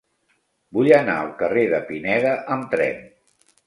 Vull anar al carrer de Pineda amb tren.